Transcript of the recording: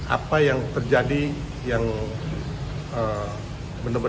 apa yang terjadi yang benar benar